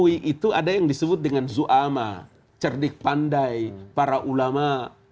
itu ada yang disebut dengan zu'ama cerdik pandai para ulama